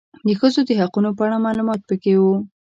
د ښځو د حقونو په اړه معلومات پکي و